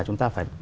chúng ta phải